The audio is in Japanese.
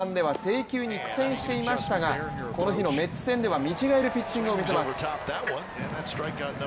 ここまで２度の登板では制球に苦戦していましたがこの日のメッツ戦では見違えるピッチングを見せます。